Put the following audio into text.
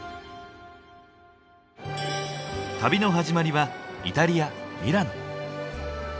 旅の始まりはイタリア・ミラノ。